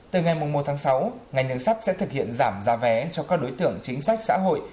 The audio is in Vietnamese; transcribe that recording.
từ ngày một tháng sáu ngành đường sắt sẽ thực hiện giảm giá vé cho các đối tượng chính sách xã hội